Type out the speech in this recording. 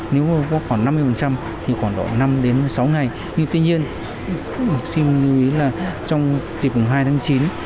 nếu góp khoảng năm mươi thì khoảng độ năm đến sáu ngày nhưng tuy nhiên xin lưu ý là trong dịp hai tháng chín